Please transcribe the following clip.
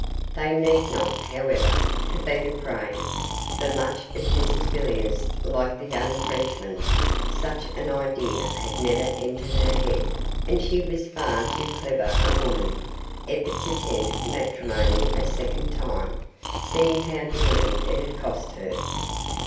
They need not, however, have been afraid, for much as Mrs Villiers liked the young Frenchman, such an idea had never entered her head, and she was far too clever a woman ever to tempt matrimony a second time, seeing how dearly it had cost her.